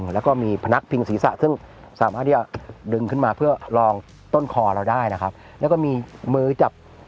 แล้วก็มีมีผนักพลิงศีรษะซึ่งซามารียอดดึงขึ้นมาเพื่อรองต้นคอเราได้แล้วก็มีมือจับ